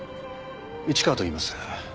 市川といいます。